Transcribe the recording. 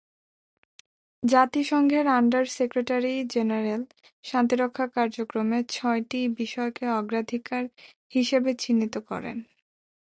জাতিসংঘের under secretary general শান্তিরক্ষা কার্যক্রমে ছয়টি বিষয়কে অগ্রাধিকার হিসেবে চিহ্নিত করেন।